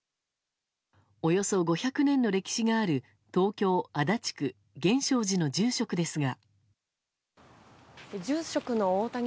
およそ５００年の歴史がある東京・足立区、源証寺の住職ですが。